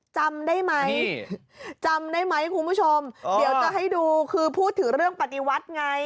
จำได้ไหมจำได้ไหมคุณผู้ชมเดี๋ยวจะให้ดูคือพูดถึงเรื่องปฏิวัติไง